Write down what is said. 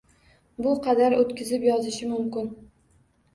Bu qadar o’tkazib yozishi mumkin